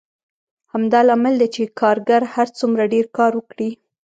همدا لامل دی چې کارګر هر څومره ډېر کار وکړي